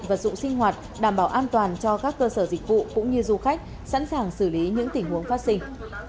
vật dụng sinh hoạt đảm bảo an toàn cho các cơ sở dịch vụ cũng như du khách sẵn sàng xử lý những tình huống phát sinh